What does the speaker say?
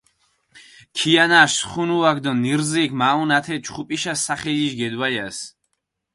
ქიანაშ სხუნუაქ დო ნირზიქ მაჸუნჷ ათე ჩხუპიშა სახელიშ გედვალას.